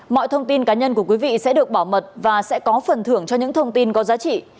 mọi thông tin cá nhân của quý vị sẽ được bảo mật và sẽ có phần thưởng cho những thông tin có giá trị